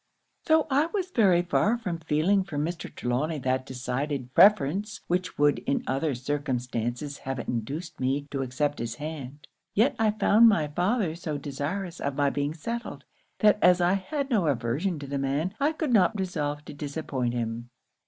'Tho' I was very far from feeling for Mr. Trelawny that decided preference which would in other circumstances have induced me to accept his hand, yet I found my father so desirous of my being settled, that as I had no aversion to the man, I could not resolve to disappoint him.